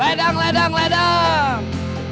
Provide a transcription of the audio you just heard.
ledang ledang ledang